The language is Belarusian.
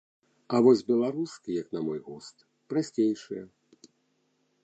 А вось беларускі, як на мой густ, прасцейшыя.